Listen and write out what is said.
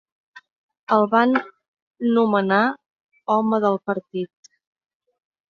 El van nomenar Home del partit.